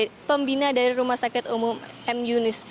dengan honor tim pembina dari rumah sakit umum m yunis